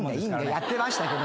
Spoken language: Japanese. やってましたけど。